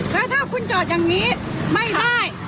แล้วถ้าคุณจอดอย่างนี้ไม่ได้